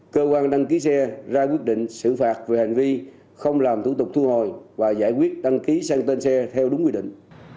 cơ quan đăng ký xe ra quyết định xử phạt về hành vi không làm thủ tục thu hồi và giải quyết đăng ký sang tên xe theo đúng quy định